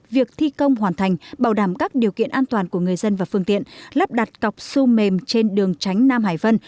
việc thi công hoàn thành bảo đảm các điều kiện an toàn của người dân và phương tiện lắp đặt cọc su mềm trên đường tránh nam hải vân